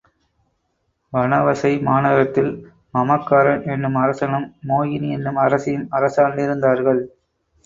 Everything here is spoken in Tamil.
வனவசை மாநகரத்தில், மமகாரன் என்னும் அரசனும் மோகினி என்னும் அரசியும் அரசாண்டிருந்தார்கள்.